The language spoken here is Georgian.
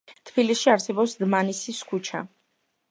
თბილისში არსებობს დმანისის ქუჩა.